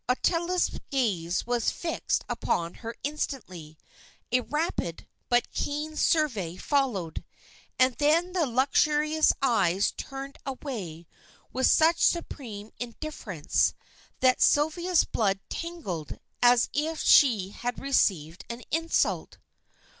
Ottila's gaze was fixed upon her instantly; a rapid, but keen survey followed, and then the lustrous eyes turned away with such supreme indifference, that Sylvia's blood tingled as if she had received an insult.